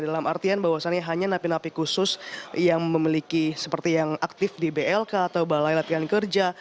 dalam artian bahwasannya hanya napi napi khusus yang memiliki seperti yang aktif di blk atau balai latihan kerja